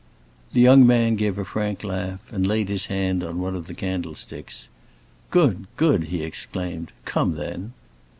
The young man gave a frank laugh, and laid his hand on one of the candlesticks. "Good, good!" he exclaimed. "Come, then."